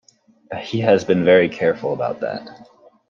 He has been very careful about that.